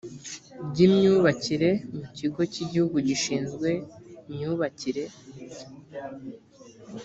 ry imyubakire mu kigo cy igihugu gishinzwe myubakire